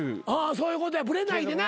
そういうことやブレないでな。